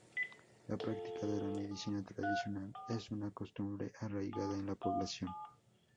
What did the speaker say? La práctica de la medicina tradicional es una costumbre arraigada en la población.